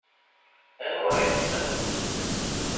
Anwa i tessen?